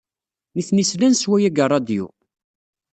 Nitni slan s waya deg ṛṛadyu.